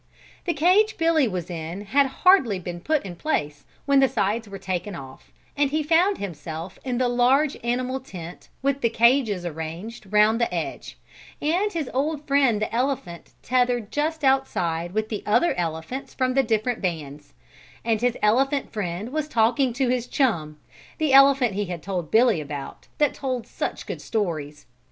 The cage Billy was in had hardly been put in place when the sides were taken off and he found himself in the large animal tent with the cages arranged round the edge and his old friend the elephant tethered just outside with the other elephants from the different bands, and his elephant friend was talking to his chum, the elephant he had told Billy about, that told such good stories.